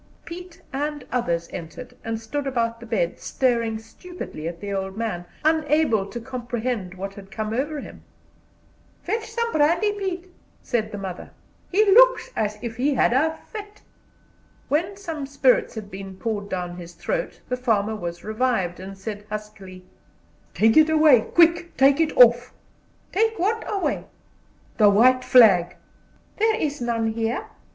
Pete and others entered, and stood about the bed, staring stupidly at the old man, unable to comprehend what had come over him. "Fetch him some brandy, Pete," said the mother; "he looks as if he had a fit." When some spirits had been poured down his throat the farmer was revived, and said huskily: "Take it away! Quick, take it off!" "Take what away?" "The white flag." "There is none here."